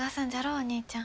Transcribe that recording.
お兄ちゃん。